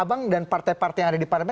abang dan partai partai yang ada di partai